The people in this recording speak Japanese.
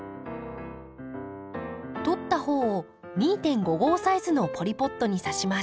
取った穂を２．５号サイズのポリポットにさします。